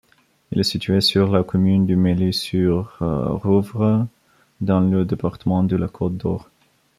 Il est situé sur la commune de Meilly-sur-Rouvres dans le département de la Côte-d'Or.